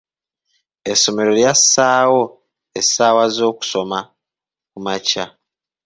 Essomero lyassaawo essaawa z'okusoma kumakya.